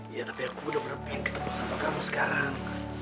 iya tapi aku udah berhentiin ketemu sama kamu sekarang